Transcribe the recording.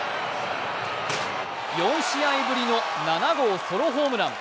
４試合ぶりの７号ソロホームラン。